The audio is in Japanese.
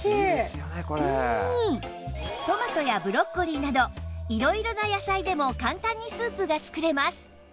トマトやブロッコリーなど色々な野菜でも簡単にスープが作れます